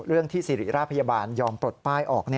ที่สิริราชพยาบาลยอมปลดป้ายออก